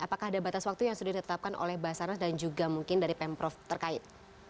apakah ada batas waktu yang sudah ditetapkan oleh basarnas dan juga mungkin dari pemprov terkait